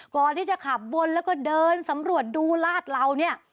ก่อนที่จะขับวนแล้วก็เดินสำรวจดูลาดเหลาเนี่ย